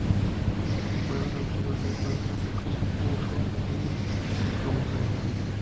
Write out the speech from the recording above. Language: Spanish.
Fue durante dos encuentros y con el británico Phil Neville como su ayudante.